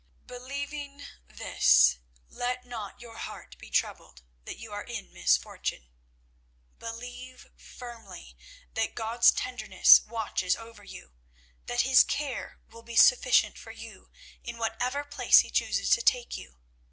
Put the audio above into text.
"Believing this, let not your heart be troubled that you are in misfortune. Believe firmly that God's tenderness watches over you, that His care will be sufficient for you in whatever place He chooses to take you.